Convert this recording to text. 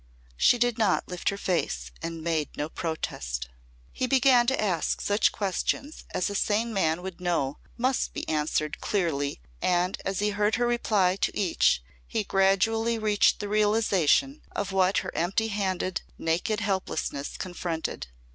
She did not lift her face and made no protest. He began to ask such questions as a sane man would know must be answered clearly and as he heard her reply to each he gradually reached the realisation of what her empty handed, naked helplessness confronted.